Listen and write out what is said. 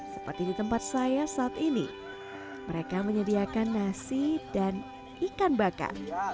seperti di tempat saya saat ini mereka menyediakan nasi dan ikan bakar